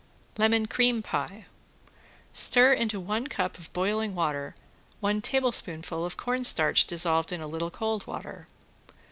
~LEMON CREAM PIE~ Stir into one cup of boiling water one tablespoonful of cornstarch dissolved in a little cold water.